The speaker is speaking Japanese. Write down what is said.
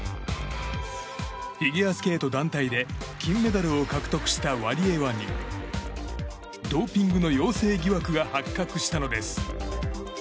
フィギュアスケート団体で金メダルを獲得したワリエワにドーピングの陽性疑惑が発覚したのです。